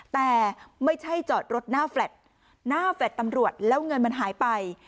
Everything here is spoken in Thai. แต่ไม่ใช่จอดรถหน้าแฟลต์หน้าแฟลต์ตำรวจแล้วเงินมันหายไป